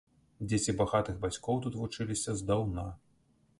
Дзеці багатых бацькоў тут вучыліся здаўна.